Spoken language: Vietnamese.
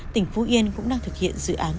tỉnh phú yên cũng đang thực hiện dự án